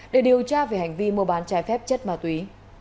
để điều tra về hành vi mua bán trái phép chất ma túy